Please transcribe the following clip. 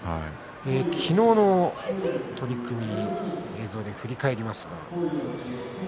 昨日の取組映像で振り返ります。